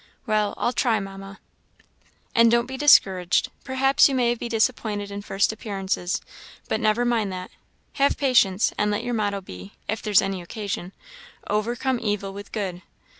"Well, I'll try, Mamma." "And don't be discouraged. Perhaps you may be disappointed in first appearances, but never mind that; have patience; and let your motto be (if there's any occasion), 'Overcome evil with good'.